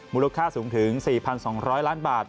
มูลค่าสูงถึง๔๒๐๐ล้านบาท